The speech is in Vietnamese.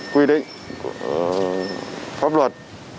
quy định pháp luật